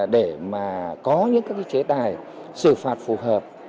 để mà có những chế tài xử phạt phù hợp